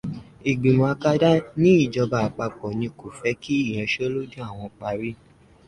Ìgbìmọ̀ akadá ní ìjọba àpapọ̀ ni kò fẹ́ kí ìyanṣẹ́lódì àwọn ó parí.